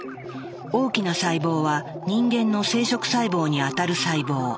大きな細胞は人間の生殖細胞にあたる細胞。